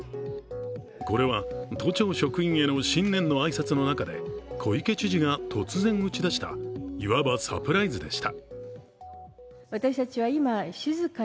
これは都庁職員への新年の挨拶の中で小池知事が突然打ち出したいわばサプライズでした。